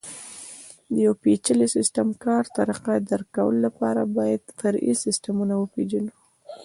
د یوه پېچلي سیسټم کار طریقه درک کولو لپاره باید فرعي سیسټمونه وپېژنو.